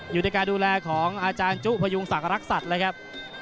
อยู่ในการดูแลของอาจารย์จุพยุงศักดิ์รักษัตริย์เลยครับ